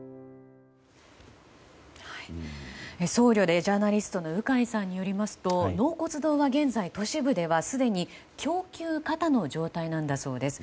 僧侶でジャーナリストの鵜飼さんによりますと納骨堂は現在都市部ではすでに供給過多の状態なんだそうです。